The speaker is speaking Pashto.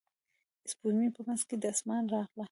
سپوږمۍ په منځ د اسمان راغله.